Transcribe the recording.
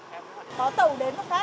là các anh xe ôm bên kia